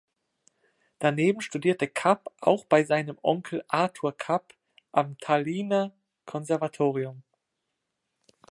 Daneben studierte Kapp auch bei seinem Onkel Artur Kapp am Tallinner Konservatorium.